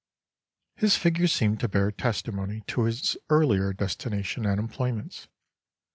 His figure seemed to bear testimony to his earlier destination and employments.